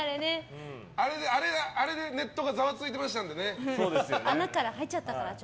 あれでネットがざわついてましたのでね。